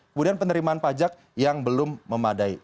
kemudian penerimaan pajak yang belum memadai